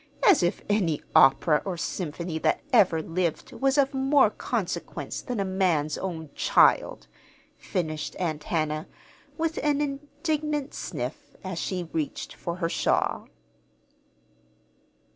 As if any opera or symphony that ever lived was of more consequence than a man's own child!" finished Aunt Hannah, with an indignant sniff, as she reached for her shawl.